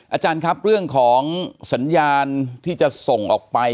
อาจารย์ครับเรื่องของสัญญาณที่จะส่งออกไป